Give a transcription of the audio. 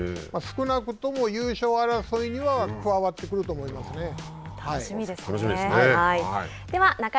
少なくとも優勝争いには加わってくると思いますね。